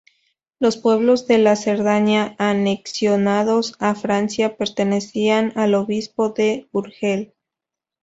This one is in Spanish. Los pueblos de la Cerdaña anexionados a Francia pertenecían al obispado de Urgell.